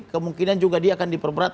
kemungkinan juga dia akan diperberat